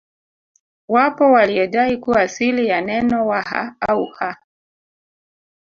Wapo waliodai kuwa asili ya neno Waha au Ha